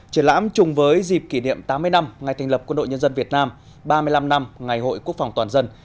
triển lãm chung với dịp kỷ niệm tám mươi năm ngày thành lập quân đội nhân dân việt nam ba mươi năm năm ngày hội quốc phòng toàn dân